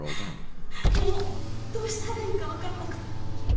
もうどうしたらいいか分かんなくて。